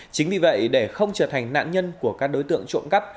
chính vì vậy để không trở thành nạn nhân của các đối tượng trộm cắp